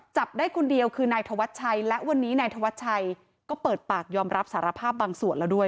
จับได้คนเดียวคือนายธวัชชัยและวันนี้นายธวัชชัยก็เปิดปากยอมรับสารภาพบางส่วนแล้วด้วย